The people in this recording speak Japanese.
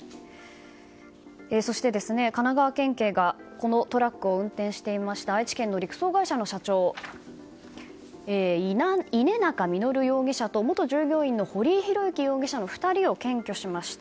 そして、神奈川県警がこのトラックを運転していました愛知県の陸送会社の社長稲中実容疑者と元従業員の堀井洋幸容疑者の２人を検挙しました。